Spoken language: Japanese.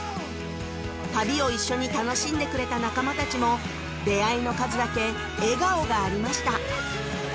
旅を一緒に楽しんでくれた仲間たちも出会いの数だけ笑顔がありました